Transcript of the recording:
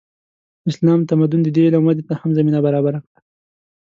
اسلامي تمدن د دې علم ودې ته هم زمینه برابره کړه.